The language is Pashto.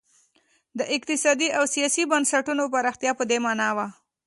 د اقتصادي او سیاسي بنسټونو پراختیا په دې معنا وه.